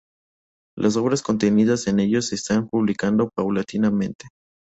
Las obras contenidas en ellos se están publicando paulatinamente.